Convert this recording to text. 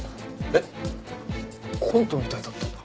えっ！？コントみたいだった。